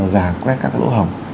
già quét các lỗ hỏng